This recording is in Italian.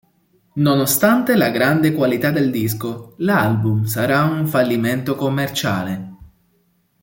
Nonostante la grande qualità del disco, l'album sarà un fallimento commerciale.